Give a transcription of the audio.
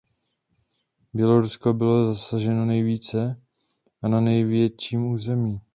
Bělorusko bylo zasaženo nejvíce a na největším území.